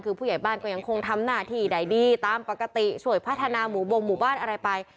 คือผู้ใหญ่บ้านก็ยังคงทำหน้าที่ได้ดีตามปกติช่วยพัฒนาหมูบงหมู่บ้านอะไรไป